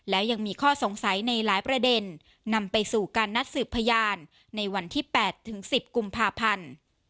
แล้วยังมีข้อสงสัยในหลายประเด็นนำไปสู่การนัดสืบพยานในวันที่๘ถึง๑๐กุมภาพันธ์